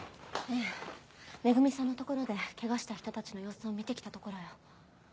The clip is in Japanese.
ええ恵さんの所でケガした人たちの様子を見て来たところよ。